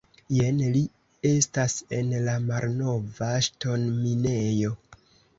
Jen li estas, en la malnova, ŝtonminejo.